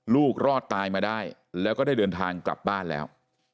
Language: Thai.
รอดตายมาได้แล้วก็ได้เดินทางกลับบ้านแล้ว